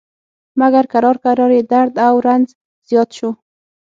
مګر کرار کرار یې درد او رنځ زیات شو.